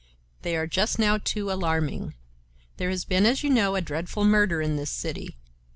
They are just now too alarming. There has been, as you know, a dreadful murder in this city.